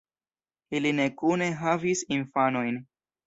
Ili ne kune havis infanojn.